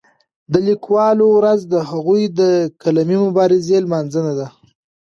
د لیکوالو ورځ د هغوی د قلمي مبارزې لمانځنه ده.